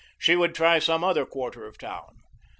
She would try some other quarter of the town.